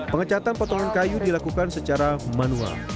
pengecatan potongan kayu dilakukan secara manual